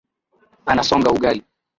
Anasonga ugali.